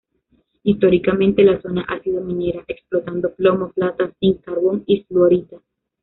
Históricamente la zona ha sido minera, explotando plomo, plata, zinc, carbón y fluorita.